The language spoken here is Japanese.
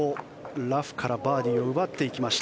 ラフからバーディーを奪っていきました。